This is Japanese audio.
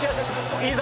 いいぞ！